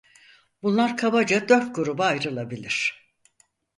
Bunlar kabaca dört gruba ayrılabilir: